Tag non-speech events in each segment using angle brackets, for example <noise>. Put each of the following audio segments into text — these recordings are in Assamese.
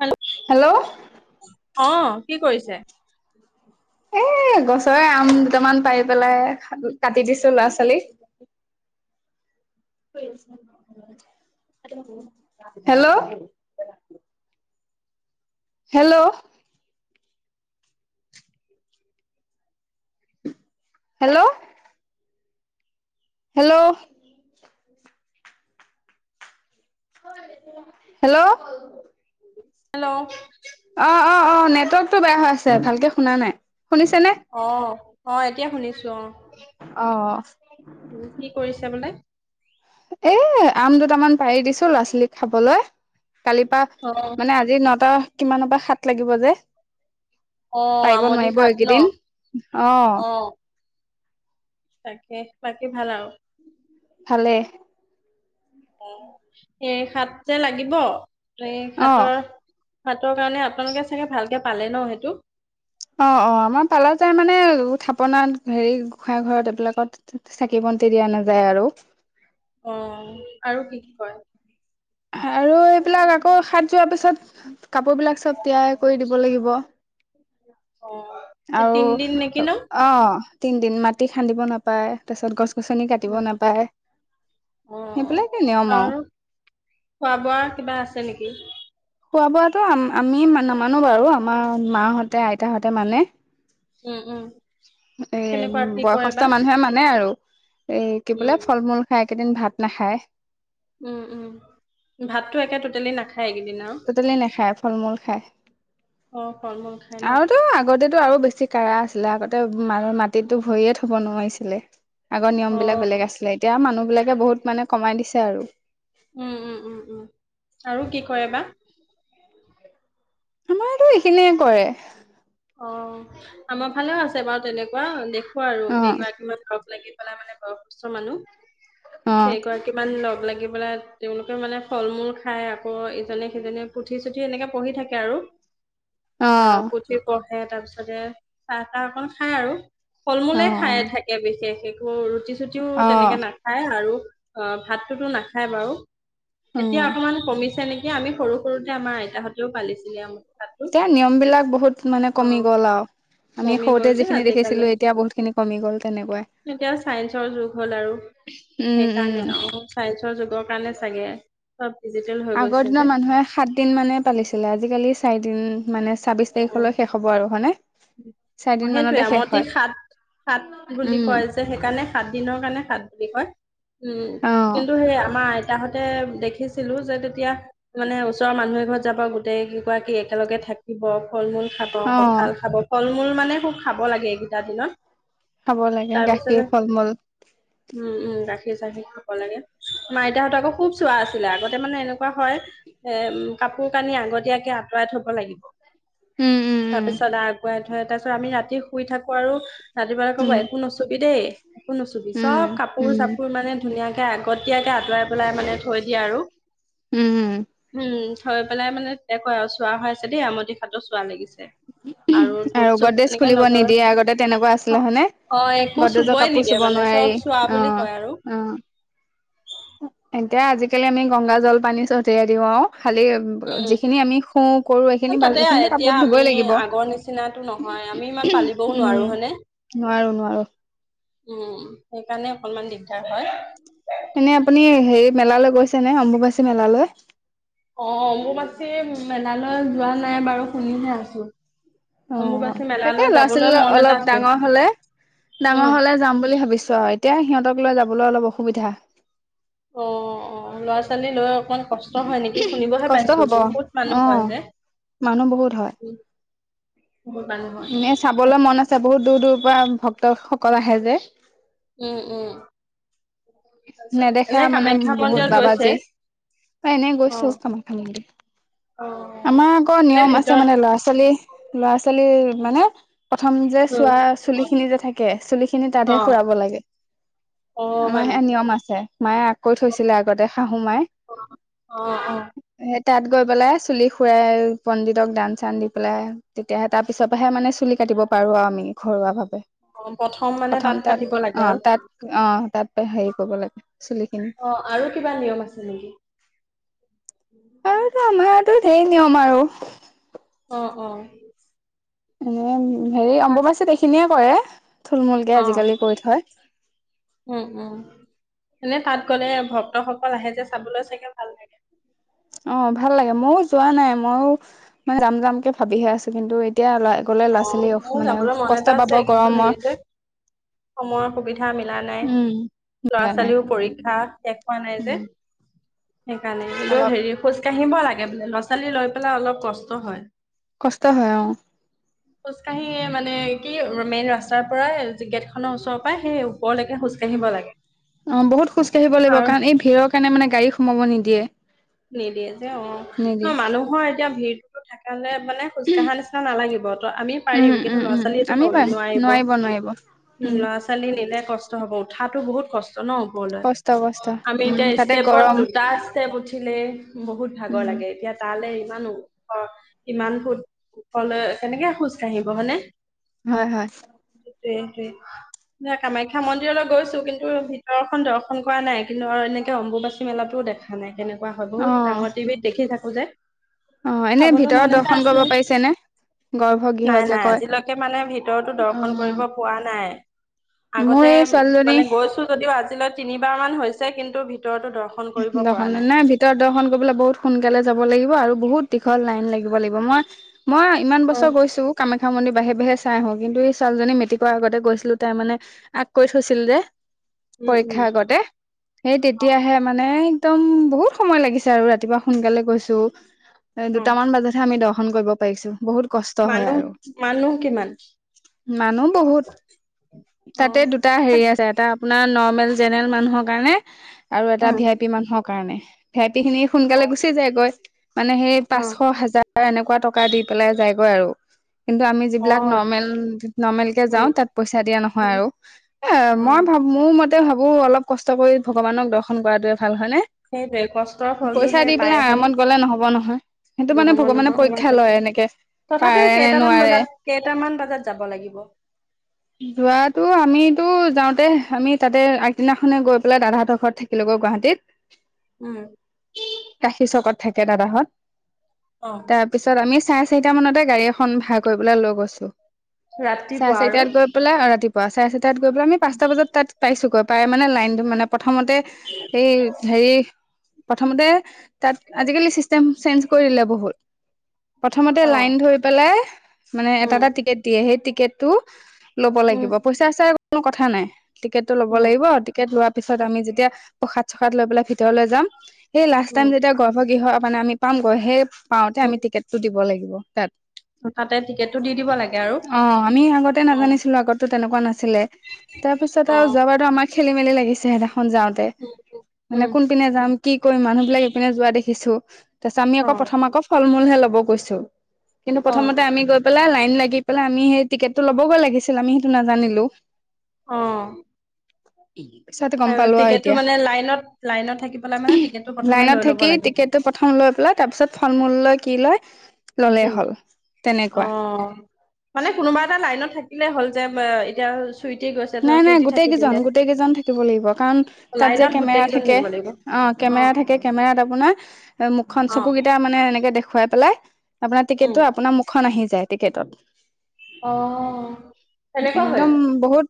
Hello hello. অ কি কৰিছে। এ গছ। তই আম দুটামান পাৰি পেলাই। কাটি দিছো ল'ৰা ছোৱালী। Hello. Hello. Hello. Hello. Hello. Hello অ অ অ অ নেটৱৰ্কতটো বেয়া হৈ আছে ভালকে শুনা নাই। অ হয়। শুনি। অহ। উ কি কৰিছে বোলে। এ আম দুটামান পাৰি দিছো ল'ৰা ছোৱালীক খাবলৈ। কালিৰ পৰা অ মানে আজি নটা কিমানৰ পৰা সাত লাগিব যে। অ পাৰিব আমদি নোৱাৰিব খাত ন এইকেইদিন অ। তাকে বাকী ভাল আৰু। ভালে অ এ সাত যে লাগিব। এই অ সাতৰ সাতৰ কাৰণে আপোনালোকে চাগে ভালকে পালে ন সেইটো অ অ আমাৰ পালা যাই মানে থাপনাত হেৰি গোঁসাই ঘৰত এইবিলাকত চাকি বন্তি দিয়া নাযায় আৰু। অ আৰু কি কি কৰে। আৰু এইবিলাক আকৌ সাত যোৱাৰ পিছত কাপোৰবিলাক চব তিয়াই কৰি দিব লাগিব। অ এই আৰু তিনদিন নেকি ন অ। তিনি দিন মাটি খান্দিব নাপায় তাৰপিছত গছ গছনি কাটিব নাপায় অ সেইবিলাকে নিয়ম আৰু খোৱা বোৱা কিবা আছে নেকি? খোৱা বাতটো আমি নামানো বাৰু আমাৰ মাহঁতে আইতাহঁতে মানে। উম উম। এ কেনেকুৱা কি কৰে বয়সস্থ বা মানুহে মানে আৰু। এ কি বোলে উম ফল মূল খাই। একেইদিন ভাত নাখায় উ উ ভাতটো একে টোটেলি নাখায় এইকেইদিন আৰু টটেলি নাখায় ফল মূল খায় অ ফল মূল খায় ন। লেলাক ম মাটিতো ভৰিয়ে থব নোৱাৰিছিলে। আগৰ নিয়ম বিলাক অ', বেলেগ আছিলে এতিয়া মানুহ। বিলাকে বহুত মানে কমাই দিছে আৰু। উম উম উম উম আৰু কি কৰে বা। আমাৰতটো এইখিনিয়ে কৰে। অ আমাৰ ভালেও আছে। বাৰু তেনেকুৱা দেখ আৰু অ কেইগৰাকীমানক। লাগি পেলাই মানে বয়সস্থ মানুহ অ কেই গৰাকী মন লগ লাগি পেলাই তেওঁলোকেও মানে ফল মূল খাই আকৌ ইজনে সিজনে পুঠি চুঠি এনেকে পঢ়ি থাকে আৰু আহ। পৰহে তাৰ পিছতে চাহ তাহ অকল খাই আৰু। ফল অ মূলে খাই থাকে বিশেষ। অঁ ৰুটি- ছুটিও অ তেনেকৈ নাখায়। আৰু- অঁ ভাতটো তো নাখায় বাৰু। এতিয়া উম অকণমান কমিছে নেকি। এ' আমি সৰু, সৰুতে আমাৰ আইতা হঁতেও পালিছিলে আমাক। এতিয়া নিয়ম বিলাক বহুত- মানে কমি গ'ল আৰু। আমি কমি গ'ল সৰুতে যে যিখিনি আজিকালি দেখিছিলো এতিয়া বহুতখিনি কমি গ'ল। তেনেকুৱাই। এতিয়া চাইন্সৰ যুগ হ'ল আৰু উম' উম' অ চাইন্সৰ যুগৰ সেইকাৰণে চাগে। চব- ডিজিটেল হৈ গৈছে আগৰ যে দিনৰ মানুহে সাত দিন মানে পালিছিলে। আজি-কালি চাৰি দিন মানে- ছাব্বিছ তাৰিখলৈ শেষ হ'ব আৰু। হয়নে। চাৰিদিন সেইটোয়ে মানতে আৰু। শেষ আমতো হয় সাত, সাত বুলি উম কয় যে সেইকাৰণে সাত দিনৰ কাৰণে সাত বুলি কয়। উম' অ কিন্তু সেই আমাৰ- আইতাহঁতে দেখিছিলোঁ যে তেতিয়া মানে ওচৰৰ মানুহ এ ঘৰত যাব গোটেই কেগৰাকী একেলগে থাকিব। ফল- মূল খাব, অ কঁঠাল খাব। ফল -মূল মানে খুব খাব লাগে। এইকেইটা দিনত। খাব লাগে। তাৰপিছতে গাখীৰ, ফল- মূল। গাখীৰ-চাকি খাব লাগে। আমাৰ আইতাহত আকৌ খুব চোৱা আছিলে। আগতে মানে এনেকুৱা হয় এম কাপোৰ- কানি আগতীয়াকে আঁতৰাই থব লাগিব। উম উম তাৰপিছত আৰু- আতৰাই থয়। তাৰপিছত আমি ৰাতি শুই থাকো। আৰু- ৰাতিপুৱা ক'ব উম একো নুচুবি দেই। <unintelligible> একো নুচুবি। উম চব কাপোৰ- উম চাপোৰ মানে ধুনীয়াকে- আগতীয়াকে আঁতৰাই পেলাই মানে থৈ দিয়ে আৰু। উম উম উম। থৈ পেলাই মানে কয় আৰু চোৱা হৈ আছে দেই আমঠি খাতৰ চোৱা লাগিছে। <unintelligible> ধূপ আৰু চুপ গদেজ এনেকে খুলিব নজৰ নিদিয়ে আগতে তেনেকুৱা আছিলে হয়নে। অ একো গদেজৰ চুবই কাপোৰ নিদিয়ে চুব মানে চব নোৱাৰি। চোৱা বুলি অঁ কয় আৰু অঁ এতিয়া আজি-কালি আমি গংগা জলপানী ছটিয়াই দিওঁ আৰু। খালি উম যিখিনি আমি শুওঁ কৰো এইখিনি বা' তাতে সেইখিনি এতিয়া কাপোৰতো আমি ধুবই লাগিব। আগৰ নিচিনটো নহয় আমি ইমান পালিবও উম নোৱাৰো হয়নে। নোৱাৰো নোৱাৰো উম' সেইকাৰণে অকনমান দিগদাৰ- হয়। এনে আপুনি হেৰি মেলালৈ গৈছে নে অম্বুবাচী মেলালৈ অম্বুবাচী মেলালৈ যোৱা নাই বাৰু শুনিহে আছো অ অম্বুবাচী তাকে মেলালৈ ল'ৰা যাবলৈ ছোৱালী মন এটা অলপ আছে ডাঙৰ হলে উম ডাঙৰ হলে যাম বুলি ভাবিছো আৰু এতিয়া সিহঁতক লৈ যাবলৈ অলপ অসু অসুবিধা অ অ ল'ৰা ছোৱালী লৈ অকমান কষ্ট হয় নেকি শুনিবহে কষ্ট পাইছো হব বহুত অ মানুহ হয় যে মানুহ বহুত হয় বহুত মানুহ হয় এনে চাবলৈ মন আছে বহুত দূৰ দূৰ পৰা ভক্তসকল আহে যে উম উম তাৰপিছত নেদেখা এনে মানে কামাখ্যা বহুত মন্দিৰত গৈছে বাবাজে এনে অ গৈছো কামাখ্যা মন্দিৰ অ আমাৰ আকৌ এনে নিয়ম আছে ভিতৰত মানে ল'ৰা ছোৱালী, ল'ৰা ছোৱালী মানে প্ৰথম যে উম চোৱা চুলি খিনি যে থাকে চুলি খিনি অ তাতহে সুৰাব লাগে। অ আমাৰ হয় সেয়া নেকি নিয়ম আছে। মায়ে কৈ থৈছিলে আগতে শাহু মায়ে অ অ তাত গৈ পেলাই চুলি সুৰাই পণ্ডিতক দান চান দি পেলাই তেতিয়াহে তাৰ পিছৰ পৰাহে মানে চুলি কাটিব পাৰো আৰু আমি ঘৰুৱা ভাৱে অ মানে প্ৰথম তাত কাটিব লাগে অ আৰু তাত অ তাত হেৰি কৰিব লাগেৰয়য় অ আৰু কিবা নিয়ম আছে নেকি? আৰু ত আমাৰো ইয়াতো ঢেই নিয়ম আৰু অ অ অ হেৰি অম্বুবাচীত এইখিনিয়ে কৰে থুলমূলকে অ আজিকালি কৰি থয় মানে তাত গলে ভক্তসকল আহে যে চাবলৈ চাগে ভাল লাগে অ ভাল লাগে ময়ো যোৱা নাই মইও মানে যাম যামকে ভাবিহে আছো কিন্তু এয়া অ মোৰ যাবলৈ মন কষ্ট এটা পাব আছে কিন্তু গৰমৰ হেৰি যে সময়ৰ সুবিধা মিলা নাই উম লৰা সেইকাৰণে ছোৱালীও পৰীক্ষা শেষ হোৱা নাই যে উম সেইকাৰণে বোলো অলপ হেৰি খোজ কাঢ়িব লাগে। তাকে বোলে ল'ৰা ছোৱালী লৈ পেলাই অলপ কষ্ট হয়। কষ্ট হয় অ খোজকাঢ়িয়ে মানে কি মেইন ৰাস্তাৰ পৰাই গেটখনৰ ওচৰৰ পৰাই সেই ওপৰলৈকে খোজ কাঢ়িব লাগে। অ বহুত খোজ কাঢ়িব লাগিব আৰু কাৰণ এই ভিৰৰ কাৰণ মানে গাড়ী সোমাব নিদি দিয়ে নিদিয়ে যে অ মানুহৰ এতিয়া ভিৰটোতো থাকা হলে মানে খোজ কঢ়া নিচিনা নালাগিব ত আমি উম পাৰিম কিন্তু উম ল'ৰা উম ছোৱালীয়ে আমি পাৰিম নোৱাৰিব নোৱাৰিব উ উম ল'ৰা ছোৱালী নিলে কষ্ট হব উঠাতটো বহুত কষ্ট ন ওপৰলৈ, কষ্ট কষ্ট আমি উম এতিয়া তাতে ষ্টেপত গৰম দুটা ষ্টেপ উঠি তে বহুত ভাগৰ উম লাগে এতিয়া তালৈ ইমানো অ, কিমান ফুট কলে কেনেকে খোজ কাঢ়িব হয়নে? হয় হয় টোৱে সেইটোৱে। ন কামাখ্যা মন্দিৰলৈ গৈছো কিন্তু ভিতৰৰখন দৰ্শন কৰা নাই। ধৰ এনেকে অম্বুবাচী মেলাতো টো দেখা নাই। কোৱা হয় অ বহুত ডাঙৰ টিভিত দেখি থা কোজে। অ এনে চাবলৈ ভিতৰত মন এটা দৰ্শন কৰিব আছিলে, পাৰিছে নে গৰ্ভগৃহ নাই যে নাই কয় আজিলৈকে মানে ভিতৰতো অ দৰ্শন কৰিব পোৱা নাই। মোৰ আগতে এই ছোৱালীজনী মানে গৈছো যদিও আজিলৈ তিনি বাৰ মান হৈছে কিন্তু ভি ভিতৰতো দৰ্শন কৰিব পৰা নাই। তৰত দৰ্শন কৰিবলৈ বহুত সোনকালে যাব লাগিব আৰু বহুত দীঘল লাইন লাগিব লাগিব। মই মই ইমান অ বছৰ গৈছো কামা- খা মন্দিৰ বাঢ়ে বাঢ়ে চাই আহো কিন্তু এই ছোৱালীজনী মেটিকৰ আগতে গৈছিলো তাই মানে আগ কৰি থৈছিল যে উম উম পৰীক্ষা আগতে, সেই তেতিয়াহে এ একদম বহুত সময় লাগিছে আৰু ৰাতিপুৱা সোনকালে গৈছো। এ অ দুটামান বজাতহে আমি দ দৰ্শন কৰিব পাৰিছো বহুত কষ্ট হয় মানুহ আৰু, মানুহ কিমান? মানুহ বহুত অ। তাতে দুটা হেৰি আছে এটা আপোনাৰ নৰ্মেল জেনেৰেল মানুহৰ কাৰণে আৰু এটা উম ভি আই পি মানুহৰ কাৰণে। সেপ টি খিনি সোনকালে গুচি যায় গৈ। মানে সেই অ পাঁচশ হাজাৰ এনেকুৱা টকা দি পেলাই যায়গৈ আৰু। <inaudible> কিন্তু আমি অ যিবিলাক নৰ্মেল নৰ্মেল কে যাও উম তাত পইচা দিয়া নহয় উম আৰু এ অ মই ভাবো মোৰ মতে তেওঁ ভাবোঁ অলপ কষ্ট কৰি ভগৱানক দৰ্শন কৰাত ভাল হয়নে, সেইটোৱে কষ্টৰ ফলটো পইচা সেই দি পায় পেলাই হয়নে? আৰামত গলে নহব নহয়, সেইটো নহ'ব মানে ভগৱানে নহয় ইমান পৰীক্ষা কষ্ট লয় এনেকে তথাপিও পাৰে নে কেইটামান নোৱাৰে? বজাত কেইটামান বজাত যাব লাগিব? যোৱাটো আমি তো যাওঁতে আমি তাতে আগদিনাখনে গৈ পেলাই দাদাহঁতৰ ঘৰত থাকিলোগৈ গুৱাহাট দেত। উম। কাশীৰ চকত থাকে দাদাহঁত। অ তাৰপিছত আমি। চাৰে চাৰিটা মানতে গাড়ী এখন ভাড় কৰিব পলৈ লৈ গৈছো। চাৰে ৰাতিপুৱা আৰু চাৰিটাত গৈ পেলাই আৰু ৰাতিপুৱা। পোৱা চাই আছে। তাত গৈ পেল আমি পাঁটা বজাত পাইছোগৈ। তায় মানে লাইন মানে। প্ৰথমতে। হ আজালি চিষ্টেম চেঞ্জ কৰি দিলে বহুত। প্ৰথমতে অ লাইন ধৰি পেলাই মানে এটা উম, এটা টিকেট দিয়ে সেই টিকট। তো। ল'ব উম, লাগিব পইচা চাই। কোনো কথা নাই। টিকেটটো ল'ব উম, লাগিব টিকেট লোৱাৰ পিছত আমি যেতিয়া। প্ৰসাদ চসাদ লৈ পেলাই ভিতৰলৈ যাম। সেই লাষ্ট উম, টাইমতিয়া গৰ্ভ কিহ। মানে আমি পামগৈ সেই। পাওঁতে উম, আমি টিকেটটো দিব লাগিব। তাত। তাতে টিকেটটো দি দিব লাগে আৰু অ। তেনেকোৱা। আছিলে তাৰপিছত আৰু অ', যাবাৰো আমাৰ। খেল মেলি লাগিছে সিঁদিনাখন যাওঁতে। উম, মানে উম, কোনপিনে যাম। কি কৰিম মানুহ বিলাক এইপিনে যোৱা দেখিছো। তাৰিছ আকৌ অ', প্ৰথম আকৌ ফল মূল। হে ল'ব কৈছো। কিন্তু অ', প্ৰথমতে আমি গৈ পেলাই নাই। লাগি পেলাই আমি সেই টিকেটটো ল'বগৈ লাগিছিল আমি সেইটো নাজানিলো। অহ। পইছা গম পালো আৰু এতিয়া। লাইনত লাইনত থাকি পেলাই মানে টিকেটটো প্ৰথমে লাইনত লৈ ল'ব থাকি লাগে। টিকেটটো প্ৰথম লৈ পেলাই তাৰ পিছত ফল মূল লৈ। কি লয় ললেই উম, হ'ল তেনেকুৱা। অ'। মানে কোনোবা এটা লাইনত থাকিলে হ'ল যে এতিয়া চুইটি গৈছে ধৰা নাই -নাই চুইটি গোটেই থাকি কেইজন দিলে। -গোটেই কেইজন থাকিব লাগিব কাৰণ তাত যে লাইনত গোটেই কেমেৰা কেইজন থাকে থাকিব লাগিব। অহ অ', কেমেৰা থাকে কেমেৰাত আপোনাৰ মুখখন, অ', চকুকেইটা মানে এনেকে দে খোৱাই পেলাই আপোনাৰ উম, টিকেটটো আপোনাৰ মুখখন আহি যা যায় টিকেটত। অহ, সেনেকুৱা হল।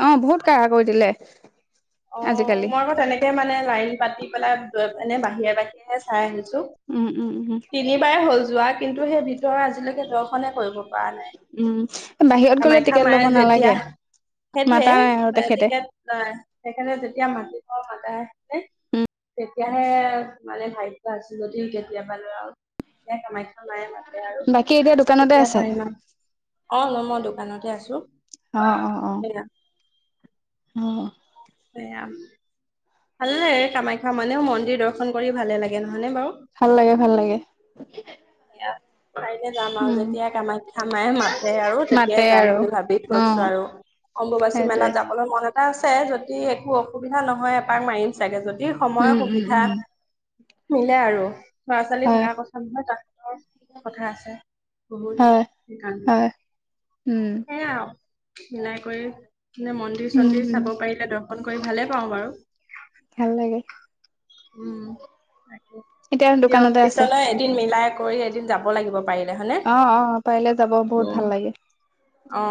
অহ, বহুত কাঢ়া কৰি দিলে লে। অহ, মই আকৌ তেনেকে মানে লাইন পাতি পেলাই লৈ পিনে বাহিৰে -বাহিৰে চাই আহিছোঁ। <unintelligible> উম উম উম তিনিবাৰে হ'ল যোৱা কিন্তু সেই ভিতৰ আজিলৈ এতিয়া দৰ্শনে কৰিব। পা নাই উম, বাহিৰত গ'লে কামাখ্যা টিকেট মাৰ ল'ব যেতিয়া নালাগে সেইটোৱে মাতা নাই আৰু তেখেতে। টিকেট অহ সেইকাৰণে যেতিয়া মাটি প মাতা <unintelligible> তেতিয়াহে মানে ভাগ্য আছে যদি কেতিয়াবালে আৰু তেতিয়া কামাখ্যা মায়ে মাত বাকী এতিয়া দোকানতে আছে। <unintelligible> অহ, মই দোকানতে আছো সেয়া অহ', সেয়া ভাল লাগে কামাখ্যা মানেও মন্দিৰ দৰ্শন কৰি ভালে লাগে ন হয়নে ভাল লাগে বাৰু? <inaudible> <inaudible> পাৰিলে যাম আৰু উম, যেতিয়াই কামাখ্যা মাই মাতে আৰু মাতে তেতিয়াই যাম আৰু বুলি ভাবি থৈছো অ'। আৰু অম্বুবাচী সেইটোৱে মেলাত যাবলৈ মন এটা আছে যদি একো অসুবিধা নহয় এপাক মাৰিম চাগে যদি ই উম, সময়ৰ উম, সুবিধা উম, মিলে আৰু। ল'ৰা- ছোৱালীৰ হয়, ভাড়া কষ্ট নহয় তাত। <inaudible> কথা আছে বহুত হয়, সেইকাৰণে হয়। উম মিলাই কৰি নে মন্দিৰ- উম, চন্দিৰ উম, চাব পাৰিলে দৰ শন কৰি ভালে পাওঁ বাৰু। ভাল লাগে উম তাকে এতিয়া দিয়ক দোকানতে আছে। পিছলৈ এদিন মিলাই কৰি এদিন যাব লাগিব পাৰিলে হয়নে? অ-অ- পাৰিলে যাব বহুত উম ভাল লাগে। অ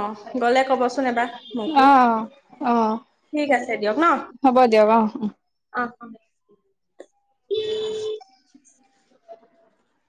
গ'লে কবচোন এবাৰ মোকো। আহ আহ ঠিক আছে দিয়ক ন হ'ব দিয়ক আহ <unintelligible> অ- অ- <inaudible>